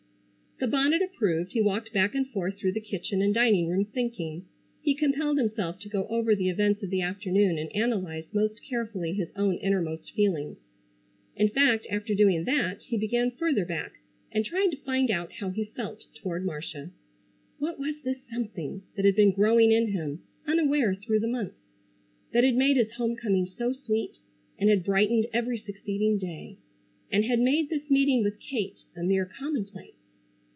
The bonnet approved, he walked back and forth through the kitchen and dining room thinking. He compelled himself to go over the events of the afternoon and analyze most carefully his own innermost feelings. In fact, after doing that he began further back and tried to find out how he felt toward Marcia. What was this something that had been growing in him unaware through the months; that had made his homecoming so sweet, and had brightened every succeeding day; and had made this meeting with Kate a mere commonplace?